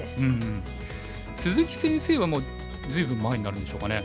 鈴木先生はもう随分前になるんでしょうかね？